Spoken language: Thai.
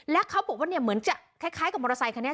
แล้วเขาบอกว่าเนี่ยเหมือนจะคล้ายกับมอเตอร์ไซคันนี้